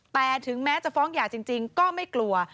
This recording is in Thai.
แต่ถึงแม้จะฟ้องหย่าจริงก็ไม่กลัว